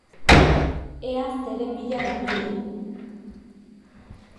Ea zeren bila dabilen.